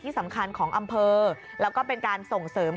สำคัญของอำเภอแล้วก็เป็นการส่งเสริม